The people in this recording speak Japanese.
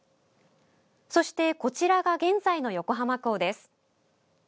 そして、こちらが現在の横浜港です。